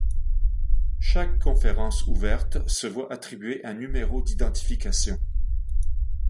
Chaque conférence ouverte se voit attribuer un numéro d'identification.